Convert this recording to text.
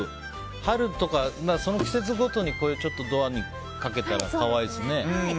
春とか、その季節ごとにドアにかけたら可愛いですね。